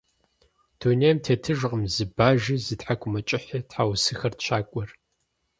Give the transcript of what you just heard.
Дунейм тетыжкъым зы бажи, зы тхьэкӀумэкӀыхьи! – тхьэусыхэрт щакӀуэр.